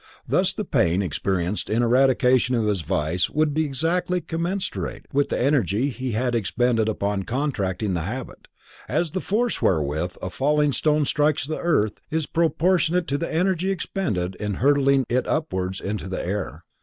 Thus the pain experienced in eradication of his vice would be exactly commensurate with the energy he had expended upon contracting the habit, as the force wherewith a falling stone strikes the earth is proportionate to the energy expended in hurling it upwards into the air.